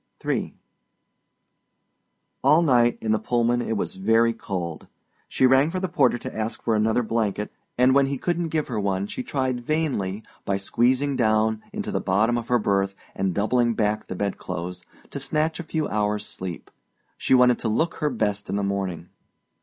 III All night in the Pullman it was very cold. She rang for the porter to ask for another blanket, and when he couldn't give her one she tried vainly, by squeezing down into the bottom of her berth and doubling back the bedclothes, to snatch a few hours' sleep. She wanted to look her best in the morning.